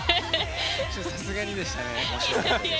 さすがにでしたね。